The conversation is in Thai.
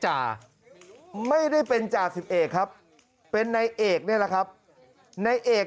จ่าไม่ได้เป็นจ่าสิบเอกครับเป็นนายเอกนี่แหละครับในเอก